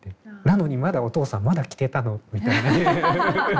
なのにまだお父さんまだ着てたの？みたいなね。